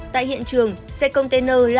tại hiện trường xe container lãng phí